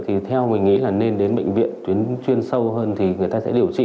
thì theo mình nghĩ là nên đến bệnh viện tuyến chuyên sâu hơn thì người ta sẽ điều trị